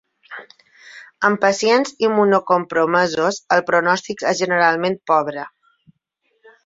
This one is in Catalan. En pacients immunocompromesos, el pronòstic és generalment pobre.